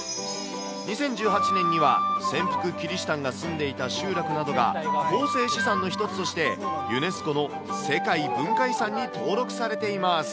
２０１８年には、潜伏キリシタンが住んでいた集落などが、構成資産の一つとしてユネスコの世界文化遺産に登録されています。